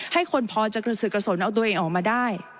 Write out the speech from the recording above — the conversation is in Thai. ให้คนพอจะกระสือกระสนเอาตัวเองออกมาได้